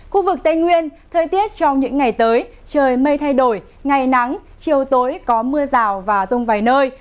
khu vực tây nguyên thời tiết trong những ngày tới trời mây thay đổi ngày nắng chiều tối có mưa rào và rông vài nơi